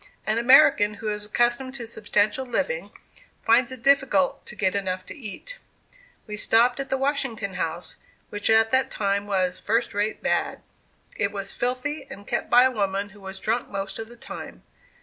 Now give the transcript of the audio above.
An American who is accustomed to substantial living, finds it difficult to get enough to eat. We stopped at the Washington House, which at that time was "first rate bad." It was filthy, and kept by a woman who was drunk most of the time.